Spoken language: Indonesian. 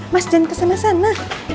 mas jangan kesana kesana